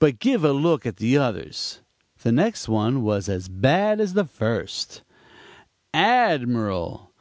'But give a look at the others.' "The next one was as bad as the first: ADMIRAL!!!